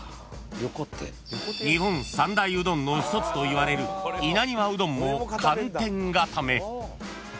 ［日本三大うどんの一つといわれる稲庭うどんも寒天固め］